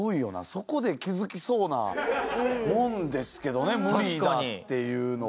そこで気づきそうなもんですけどね無理だっていうのは。